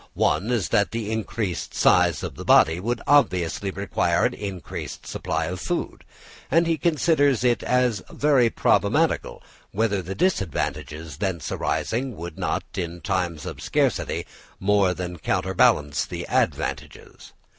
One is that the increased size of the body would obviously require an increased supply of food, and he considers it as "very problematical whether the disadvantages thence arising would not, in times of scarcity, more than counterbalance the advantages."